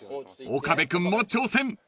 ［岡部君も挑戦］